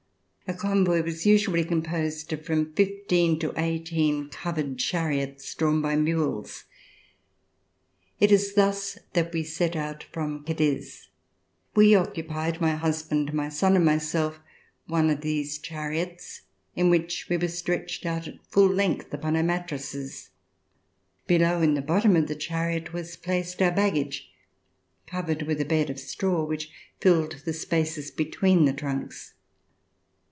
A convoy was usually composed of from fifteen to eighteen covered chariots drawn by mules. It is thus that we set out from Cadiz. We occupied, my husband, my son and myself, one of these chariots, in which we were stretched out at full length upon our mattresses. Below, in the bottom of the chariot, was placed our baggage, covered with a bed of straw which filled the spaces between the trunks.